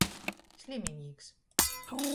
Sliminīks.